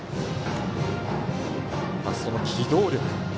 その機動力。